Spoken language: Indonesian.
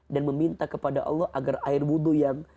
dan meminta kepada allah agar air wudhu yang